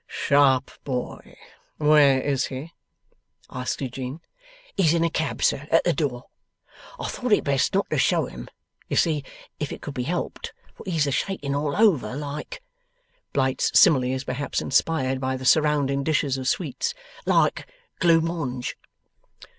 'Sharp boy. Where is he?' asks Eugene. 'He's in a cab, sir, at the door. I thought it best not to show him, you see, if it could be helped; for he's a shaking all over, like Blight's simile is perhaps inspired by the surrounding dishes of sweets 'like Glue Monge.